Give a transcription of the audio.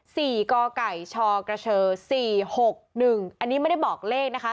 ก่อไก่ชกระเชอสี่หกหนึ่งอันนี้ไม่ได้บอกเลขนะคะ